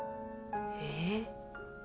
えっ？